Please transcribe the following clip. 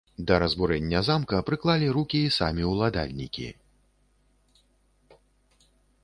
Да разбурэння замка прыклалі рукі і самі ўладальнікі.